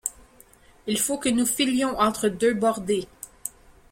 Il faut que nous filions entre deux bordées!